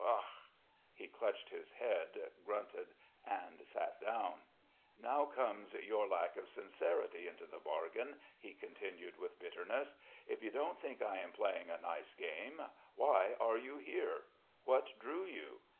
Ach!" He clutched his head, grunted and sit down. "And now comes your lack of sincerity into the bargain," he continued with bitterness. "If you don't think I am playing a nice game why are you here? What drew you?